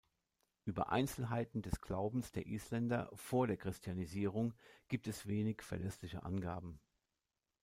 Über Einzelheiten des Glaubens der Isländer vor der Christianisierung gibt es wenig verlässliche Angaben.